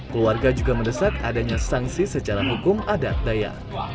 keluarga juga mendesak adanya sanksi secara hukum adat daya